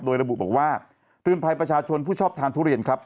โดยระบุบอกว่าเตือนภัยประชาชนผู้ชอบทานทุเรียนครับ